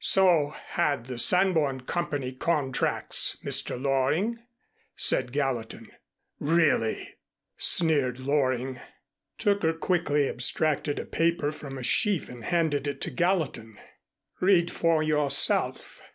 "So had the Sanborn Company contracts, Mr. Loring," said Gallatin. "Really!" sneered Loring. Tooker quickly abstracted a paper from a sheaf and handed it to Gallatin. "Read for yourself."